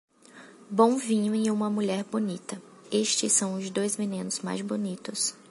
Bom vinho e uma mulher bonita - estes são os dois venenos mais bonitos.